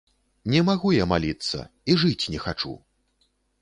Не магу я маліцца і жыць не хачу.